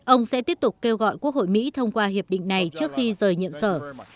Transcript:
ông sẽ tiếp tục kêu gọi quốc hội mỹ thông qua hiệp định này trước khi rời nhiệm sở